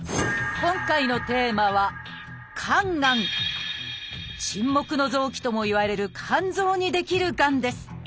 今回のテーマは「沈黙の臓器」ともいわれる肝臓に出来るがんです。